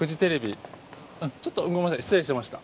ちょっとごめんなさい失礼しました。